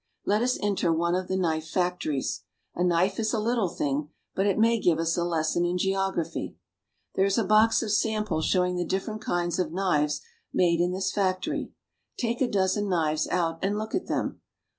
Let us enter one of the knife factories. A knife is a little thing, but it may give us a lesson in geography. There is a box of samples showing the different kinds of knives made in this factory. Take a dozen knives out and look at them.